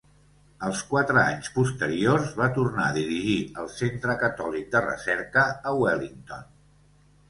Els quatre anys posteriors va tornar a dirigir el Centre Catòlic de Recerca a Wellington.